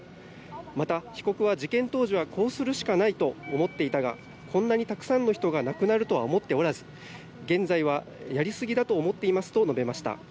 また被告は、事件当時はこうするしかないと思っていたがこんなにたくさんの人が亡くなるとは思っておらず現在はやりすぎだと思っていますと述べました。